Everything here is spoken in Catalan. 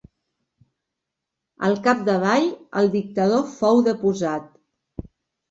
Al capdavall, el dictador fou deposat.